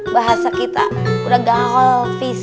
bahasa kita udah gaul